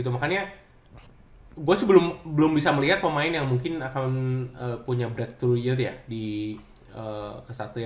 makanya gua sih belum bisa melihat pemain yang mungkin akan punya breakthrough yield ya